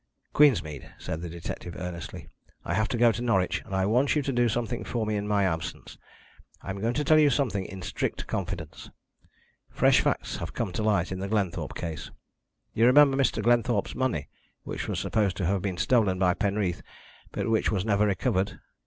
"Queensmead," said the detective earnestly, "I have to go to Norwich, and I want you to do something for me in my absence. I am going to tell you something in strict confidence. Fresh facts have come to light in the Glenthorpe case. You remember Mr. Glenthorpe's money, which was supposed to have been stolen by Penreath, but which was never recovered.